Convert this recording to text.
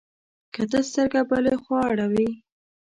که ته سترګه بله خوا اړوې،